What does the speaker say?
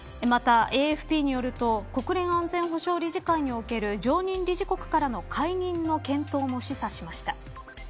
また、ＡＦＰによると国連安全保障理事会における常任理事国からの解任の検討も示唆しました。